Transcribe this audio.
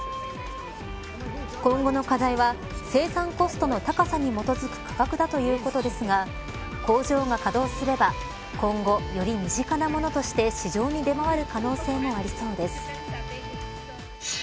今後の課題は生産コストの高さに基づく価格だということですが工場が稼働すれば今後、より身近なものとして市場に出回る可能性もありそうです。